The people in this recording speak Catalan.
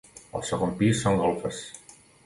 El segon pis són golfes.